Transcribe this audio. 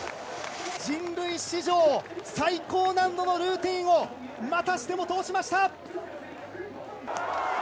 人類史上最高難度のルーティーンを、またしても通しました。